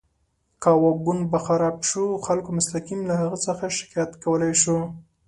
که واګون به خراب شو، خلکو مستقیم له هغه څخه شکایت کولی شو.